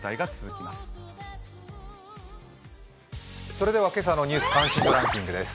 それでは今朝の「ニュース関心度ランキング」です。